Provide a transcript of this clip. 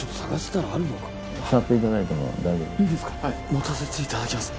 持たせていただきます。